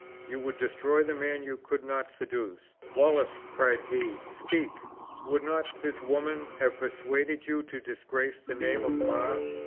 You would destroy the man you could not seduce! Wallace!" cried he, "speak. Would not this woman have persuaded you to disgrace the name of Mar?